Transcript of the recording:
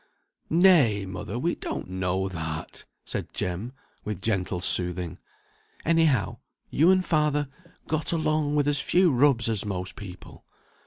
"Nay, mother, we don't know that!" said Jem, with gentle soothing. "Any how, you and father got along with as few rubs as most people.